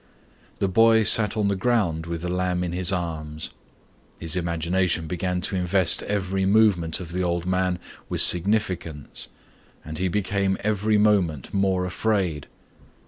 The boy sat on the ground with the lamb in his arms. His imagination began to invest every movement of the old man with significance and he became every moment more afraid.